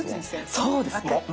そうです！